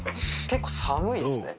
結構寒いですね